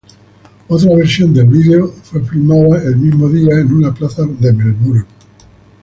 Otra versión del video fue filmada el mismo día en una plaza de Melbourne.